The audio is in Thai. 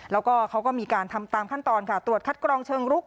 แล้วก็เขาก็มีการทำตามขั้นตอนค่ะตรวจคัดกรองเชิงรุก